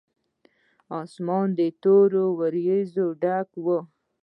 اسمان تورو وريځو ډک و.